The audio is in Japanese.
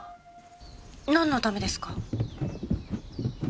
なんのためですか？